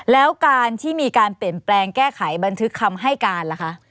แล้วการที่มีการเปลี่ยนแปลงแก้ไขบันทึกคำให้การล่ะคะ